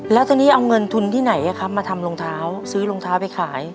แล้วตอนนี้เอาเงินทุนที่ไหนมาทำรองเท้าซื้อรองเท้าไปขาย